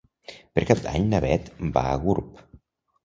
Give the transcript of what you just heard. Per Cap d'Any na Bet va a Gurb.